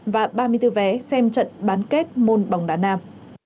và ba mươi bốn vé xem trận bán kết môn bóng đá nam